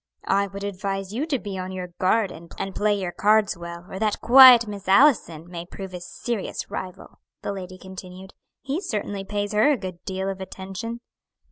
"I would advise you to be on your guard, and play your cards well, or that quiet Miss Allison may prove a serious rival," the lady continued. "He certainly pays her a good deal of attention."